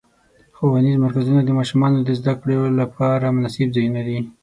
ښوونیز مرکزونه د ماشومانو د زدهکړو لپاره مناسب ځایونه دي.